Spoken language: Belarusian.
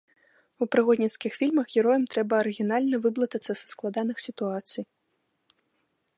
У прыгодніцкіх фільмах героям трэба арыгінальна выблытацца са складаных сітуацый.